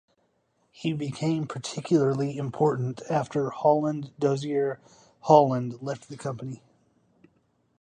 He became particularly important after Holland-Dozier-Holland left the company.